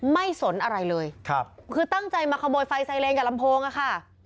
สนอะไรเลยครับคือตั้งใจมาขโมยไฟไซเรนกับลำโพงอะค่ะ